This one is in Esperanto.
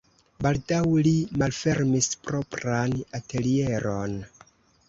Baldaŭ li malfermis propran atelieron.